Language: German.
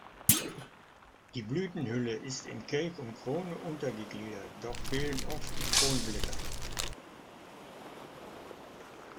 Die Blütenhülle ist in Kelch und Krone untergliedert, doch fehlen oft die Kronblätter.